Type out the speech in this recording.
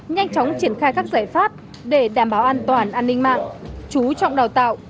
nhanh chóng triển khai các giải pháp để đảm bảo an toàn an ninh mạng chú trọng đào tạo